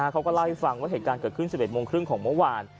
เขาก็เล่าให้ฟังว่าเหตุการณ์เกิดขึ้น๑๑โมงครึ่งของเมื่อวาน